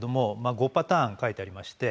５パターン書いてありまして。